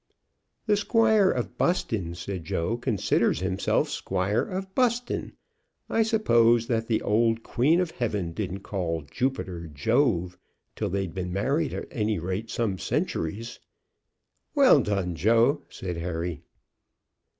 "The Squire of Buston," said Joe, "considers himself Squire of Buston. I suppose that the old Queen of Heaven didn't call Jupiter Jove till they'd been married at any rate some centuries." "Well done, Joe," said Harry.